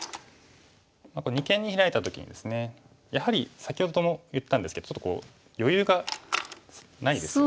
二間にヒラいた時にですねやはり先ほども言ったんですけど余裕がないですよね。